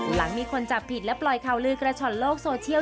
หลังมีคนจับผิดและปล่อยข่าวลือกระฉ่อนโลกโซเชียล